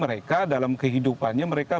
mereka dalam kehidupannya mereka